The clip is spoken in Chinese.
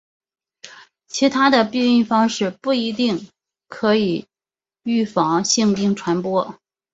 其他的避孕方式不一定可以预防性病传播。